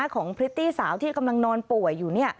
พริตตี้สาวที่กำลังนอนป่วยอยู่